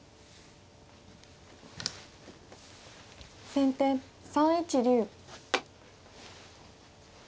先手３一竜。